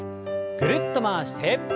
ぐるっと回して。